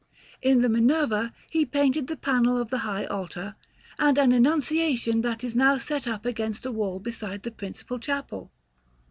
In the Minerva he painted the panel of the high altar, and an Annunciation that is now set up against a wall beside the principal chapel.